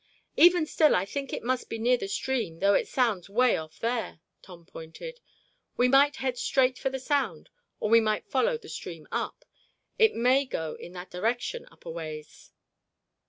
"Even still I think it must be near the stream though it sounds way off there," Tom pointed; "we might head straight for the sound or we might follow the stream up. It may go in that direction up a ways."